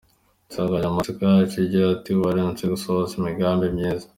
Insanganyamatsiko yacyo igira iti” Waremewe gusohoza imigambi myiza.